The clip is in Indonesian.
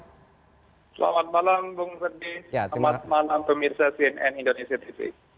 selamat malam bung ferdi selamat malam pemirsa cnn indonesia tv